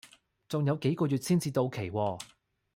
仲有幾個月先至到期喎